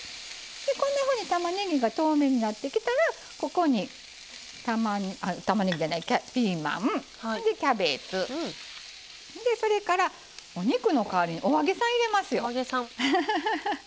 たまねぎが透明になってきたらここに、ピーマン、キャベツそれからお肉の代わりにお揚げさん入れますよ。